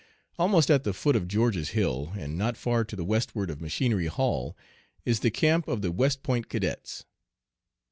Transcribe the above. "ALMOST at the foot of George's Hill, and not far to the westward of Machinery Hall, is the camp of the West Point cadets.